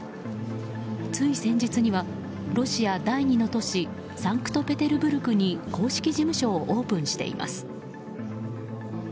つい先日にはロシア第二の都市サンクトペテルブルグに公式事務所をオープンさせています。